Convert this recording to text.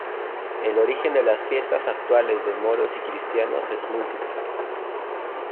El origen de las Fiestas actuales de Moros y Cristianos es múltiple.